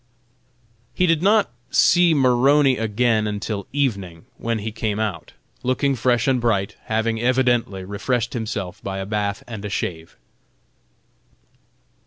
He did not see Maroney again until evening, when he came out, looking fresh and bright, having evidently refreshed himself by a bath and a shave.